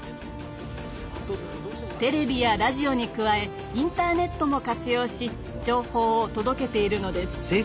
テレビやラジオに加えインターネットも活用し情報を届けているのです。